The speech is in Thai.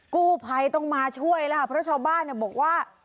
กู้ภัยต้องมาช่วยแล้วค่ะเพราะชาวบ้านบอกว่า